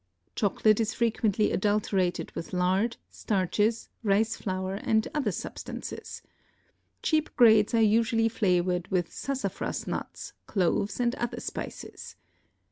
Chocolate is frequently adulterated with lard, starches, rice flour and other substances. Cheap grades are usually flavored with sassafras nuts, cloves and other spices.